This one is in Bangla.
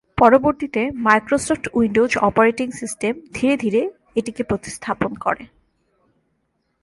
পরবর্তীতে মাইক্রোসফট উইন্ডোজ অপারেটিং সিস্টেম ধীরে ধীরে এটিকে প্রতিস্থাপন করে।